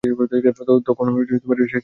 তখন সেটি বেশ এগিয়ে ছিল।